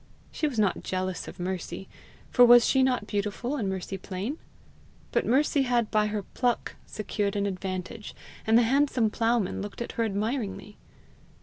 She was not jealous of Mercy, for was she not beautiful and Mercy plain? but Mercy had by her PLUCK secured an advantage, and the handsome ploughman looked at her admiringly!